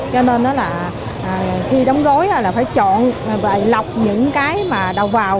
cho nên nó là khi đóng gói là phải chọn và lọc những cái mà đầu vào